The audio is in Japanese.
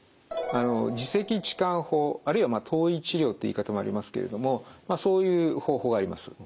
耳石置換法あるいは頭位治療って言い方もありますけれどもそういう方法があります。